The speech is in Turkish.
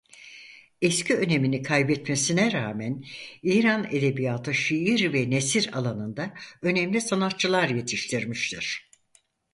Eski önemini kaybetmesine rağmen İran edebiyatı şiir ve nesir alanında önemli sanatçılar yetiştirmiştir.